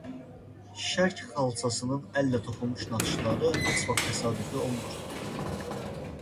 Şərq xalçasının əllə toxunmuş naxışları heç vaxt təsadüfi olmur.